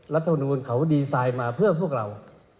รัฐมนูลเขาดีไซน์มาเพื่อพวกเรา